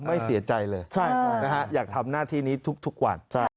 ไม่เสียใจเลยอยากทำหน้าที่นี้ทุกวัน